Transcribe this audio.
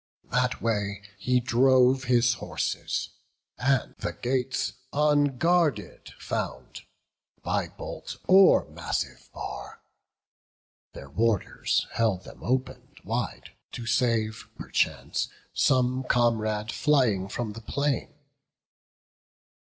That way he drove his horses; and the gates Unguarded found by bolt or massive bar. Their warders held them open'd wide, to save Perchance some comrade, flying from the plain.